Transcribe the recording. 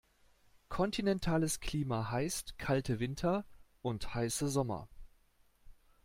Kontinentales Klima heißt kalte Winter und heiße Sommer.